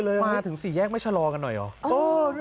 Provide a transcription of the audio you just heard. มาถึงสี่แยกไม่ชะลอกันหน่อยเหรอ